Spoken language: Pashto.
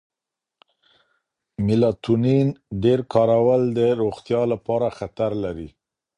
میلاټونین ډېر کارول د روغتیا لپاره خطر لري.